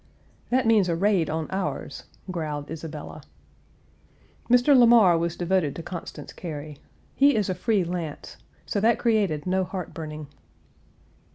"That means a raid on ours," growled Isabella. Mr. Lamar was devoted to Constance Cary. He is a free lance; so that created no heart burning.